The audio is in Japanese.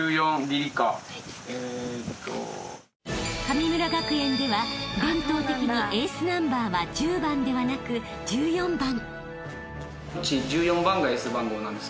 ［神村学園では伝統的にエースナンバーは１０番ではなく１４番］